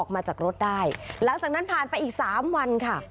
มาจากรถได้หลังจากนั้นผ่านไปอีกสามวันค่ะ